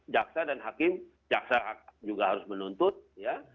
jaksa dan hakim jaksa juga harus menuntut ya